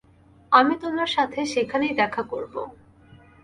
আমি তোমার সাথে সেখানেই দেখা করবো।